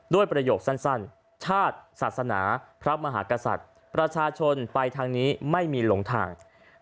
ประโยคสั้นชาติศาสนาพระมหากษัตริย์ประชาชนไปทางนี้ไม่มีหลงทาง